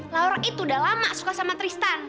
laura itu udah lama suka sama tristan